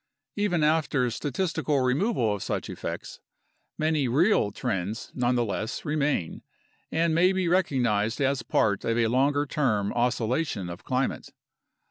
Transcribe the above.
Even after statistical removal of such effects, many "real" trends nonetheless remain and may be recognized as part of a longer term oscillation of climate.